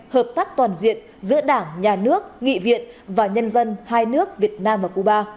hợp tác toàn diện giữa đảng nhà nước nghị viện và nhân dân hai nước việt nam và cuba